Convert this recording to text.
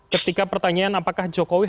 ketika pertanyaan apakah jokowi